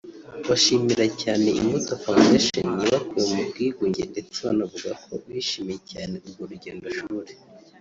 bashimira cyane Imbuto Foundation yabakuye mu bwigunge ndetse banavuga ko bishimiye cyane urwo rugendo shuri